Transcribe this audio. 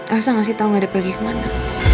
elsa masih tau gak ada pergi kemana